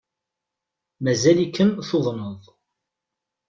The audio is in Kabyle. Mazal-ikem tuḍneḍ?